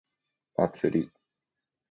祭り